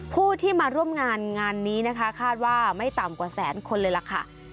ผู้ที่มาร่วมงานงานนี้นะคะคาดว่าไม่ต่ำกว่าแสนคนเลยล่ะค่ะ